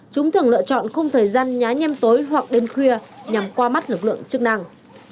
chúng thường lựa chọn không thời gian nhá nhem tối hoặc đêm khuya nhằm qua mắt lực lượng chức năng